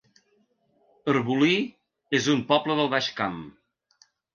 Arbolí es un poble del Baix Camp